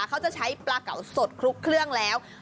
เขาจะใช้ปลาเก่าสดคลุกเครื่องแล้ว